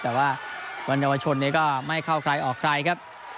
แต่ว่าวันเยาวชนนี้ก็ไม่เข้าใครออกใครครับ